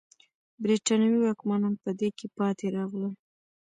برېټانوي واکمنان په دې کې پاتې راغلل.